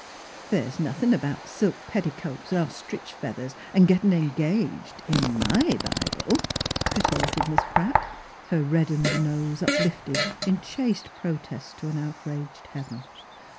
" There's nothin' about silk petticoats an' ostridge feathers an' gettin' engaged in my Bible," retorted Miss Pratt, her reddened nose uplifted in chaste protest to an outraged heaven.